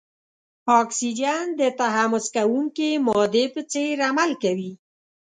اکسیجن د تحمض کوونکې مادې په څېر عمل کوي.